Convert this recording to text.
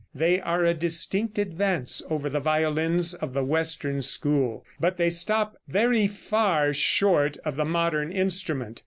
They are a distinct advance over the violins of the western school, but they stop very far short of the modern instrument.